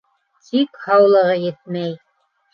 Тик һаулығы етмәй.